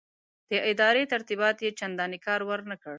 د ادارې ترتیبات یې چنداني کار ورنه کړ.